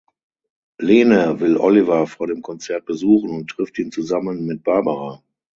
Lene will Oliver vor dem Konzert besuchen und trifft ihn zusammen mit Barbara.